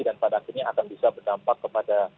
dan pada akhirnya akan bisa berdampak kepada